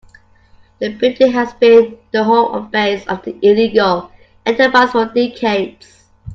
The building has been the home base of the illegal enterprise for decades.